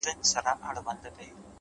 پوهه د شک پر ځای یقین راولي